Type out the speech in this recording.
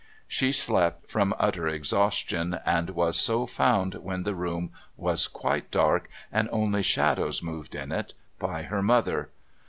She slept from utter exhaustion, and was so found, when the room was quite dark and only shadows moved in it, by her mother.